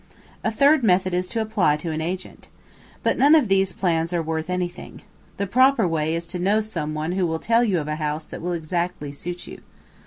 A third method is to apply to an agent. But none of these plans are worth anything. The proper way is to know some one who will tell you of a house that will exactly suit you.